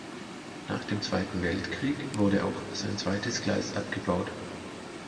Nach dem Zweiten Weltkrieg wurde auch sein zweites Gleis abgebaut.